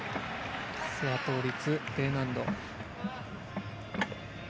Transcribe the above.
倒立Ｄ難度。